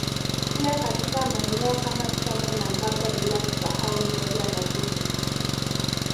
Pia katika maeneo kama Chome na Mbaga bila kusahau Gonja na Vudee